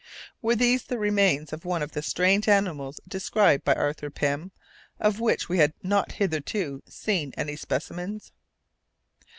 Were these the remains of one of the strange animals described by Arthur Pym, of which we had not hitherto seen any specimens?